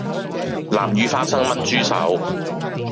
南乳花生炆豬手